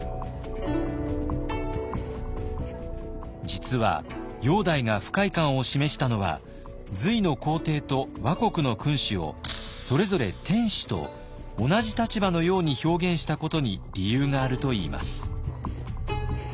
実は煬帝が不快感を示したのは隋の皇帝と倭国の君主をそれぞれ「天子」と同じ立場のように表現したことに理由があるといいます。